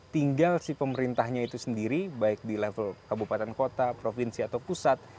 tinggal si pemerintahnya itu sendiri baik di level kabupaten kota provinsi atau pusat